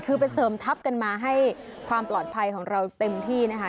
คือไปเสริมทัพกันมาให้ความปลอดภัยของเราเต็มที่นะคะ